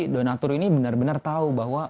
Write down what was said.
donatur ini benar benar tahu bahwa